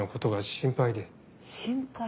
心配？